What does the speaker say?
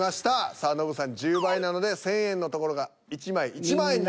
さあノブさん１０倍なので１，０００円のところが１枚１０，０００円になります。